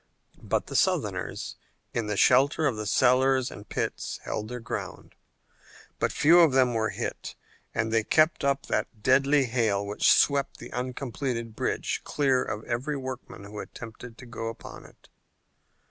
But the Southerners, in the shelter of the cellars and pits, held their ground. But few of them were hit and they kept up that deadly hail which swept the uncompleted bridge clear of every workman who attempted to go upon it.